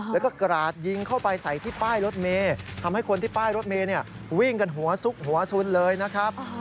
เพื่อกระจกยิงเข้าไปใส่ที่ป้ายรถเมล์ทำให้คนที่ป้ายรถเมล์เนี่ยวิ่งกันหัวสุกหัวสุดเลยนะครับ